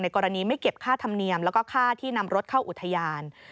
กรณีไม่เก็บค่าธรรมเนียมแล้วก็ค่าที่นำรถเข้าอุทยาน